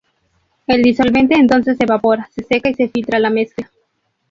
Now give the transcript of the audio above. El disolvente entonces se evapora, se seca y se filtra la mezcla.